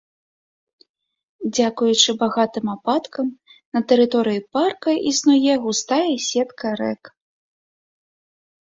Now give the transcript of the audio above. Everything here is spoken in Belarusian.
Дзякуючы багатым ападкам на тэрыторыі парка існуе густая сетка рэк.